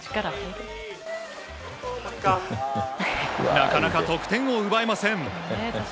なかなか得点を奪えません。